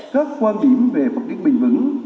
các quan điểm về phát triển bền vững